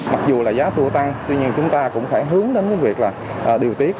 mặc dù là giá tour tăng tuy nhiên chúng ta cũng phải hướng đến việc điều tiết